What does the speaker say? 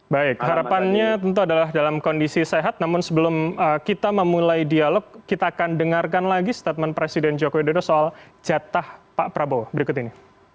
baik harapannya tentu adalah dalam kondisi sehat namun sebelum kita memulai dialog kita akan dengarkan lagi statement presiden joko widodo soal jatah pak prabowo berikut ini